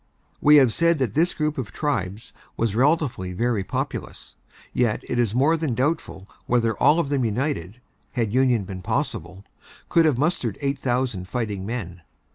We have said that this group of tribes was relatively very populous; yet it is more than doubtful whether all of them united, had union been possible, could have mustered eight thousand fighting men.